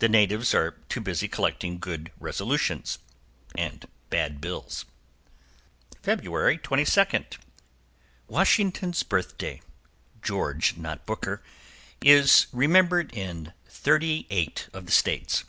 The natives are too busy collecting good resolutions and bad bills. =FEBRUARY 22, Washington's Birthday.= (George, not Booker), is remembered by thirty eight of the States.